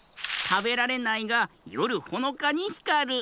たべられないがよるほのかにひかる。